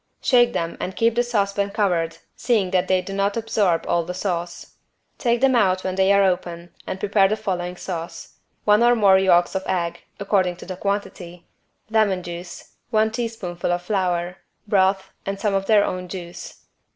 Shake them and keep the saucepan covered seeing that they do not absorb all of the sauce. Take them out when they are open and prepare the following sauce: one or more yolks of egg, according to the quantity, lemon juice, one teaspoonful of flour, broth and some of their own juice.